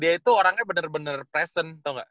dia itu orangnya bener bener present tau gak